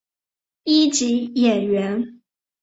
一级演员。